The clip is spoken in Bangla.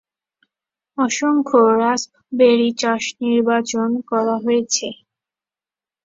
অসংখ্য রাস্পবেরি চাষ নির্বাচন করা হয়েছে।